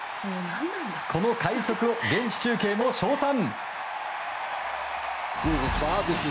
この快足を、現地中継も称賛！